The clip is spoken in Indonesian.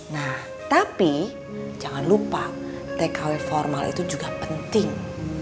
nah tapi jangan lupa tkw formal itu juga penting